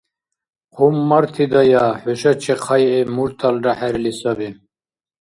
Хъуммартидая, хӀушачи хъайгӀиб мурталра хӀерли саби.